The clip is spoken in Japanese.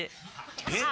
・えっ？